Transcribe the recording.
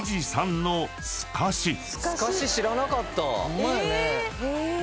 ホンマやね。